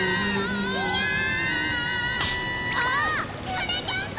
はなかっぱ！